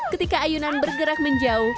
ketika ayunan bergerak menjauh